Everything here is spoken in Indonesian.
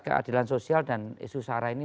keadilan sosial dan isu sara ini